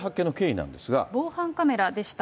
防犯カメラでした。